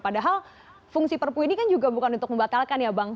padahal fungsi perpu ini kan juga bukan untuk membatalkan ya bang